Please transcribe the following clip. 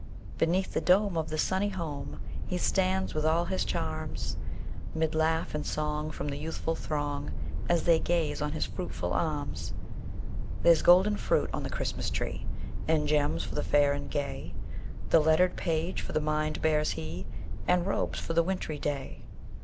Beneath the dome of the sunny home, He stands with all his charms; 'Mid laugh and song from the youthful throng, As they gaze on his fruitful arms. There's golden fruit on the Christmas tree, And gems for the fair and gay; The lettered page for the mind bears he, And robes for the wintry day.